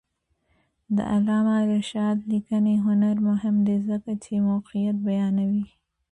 د علامه رشاد لیکنی هنر مهم دی ځکه چې موقعیت بیانوي.